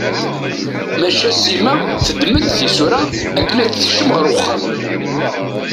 Maca Sima teddem-d tisura akken ad tekcem ɣer uxxam.